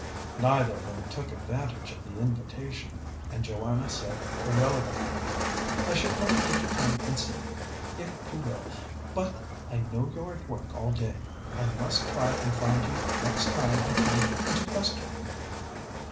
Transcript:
Neither of them took advantage of the invitation, and Joanna said irrelevantly: "I should like you to come and see me, if you will, but I know you're at work all day. I must try and find you next time I come into Questerham."